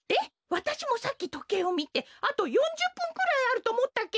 わたしもさっきとけいをみてあと４０ぷんくらいあるとおもったけど。